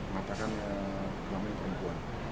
matakan kelamin pembunuhan